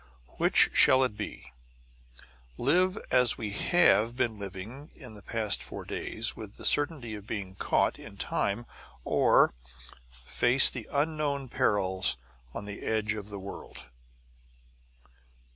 Which shall it be: live as we have been living for the past four days, with the certainty of being caught in time or face the unknown perils on the edge of the world?"